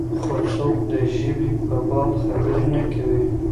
خو څوک د ژبې په باب خبرې نه کوي.